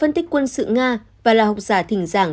phân tích quân sự nga và là học giả thỉnh giảng